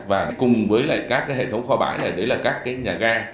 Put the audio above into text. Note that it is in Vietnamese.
và cùng với lại các cái hệ thống kho bãi này đấy là các cái nhà ga